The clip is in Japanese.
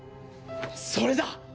それだ！